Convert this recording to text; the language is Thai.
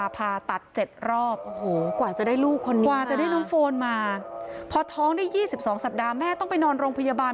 พอท้องได้๒๒สัปดาห์แม่ต้องไปนอนโรงพยาบาล